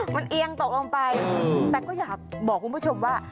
มันเอียงตกลงไปแต่ก็อยากบอกคุณผู้ชมว่า